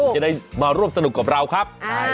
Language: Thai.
จะได้มาร่วมสนุกกับเราครับ